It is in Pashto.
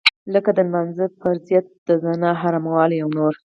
لکه د لمانځه فرضيت د زنا حراموالی او نور.